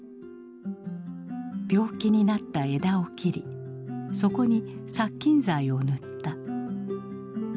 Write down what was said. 病気になった枝を切りそこに殺菌剤を塗った。